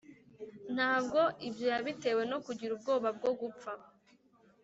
ntabwo ibyo yabitewe no kugira ubwoba bwo gupfa